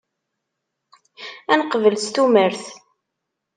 Ad neqbel s tumert.